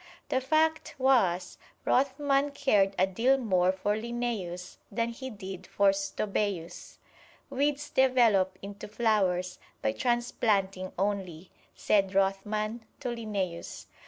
The fact was, Rothman cared a deal more for Linnæus than he did for Stobæus. "Weeds develop into flowers by transplanting only," said Rothman to Linnæus.